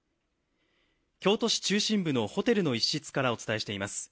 京都市中心部のホテルの一室からお伝えしています。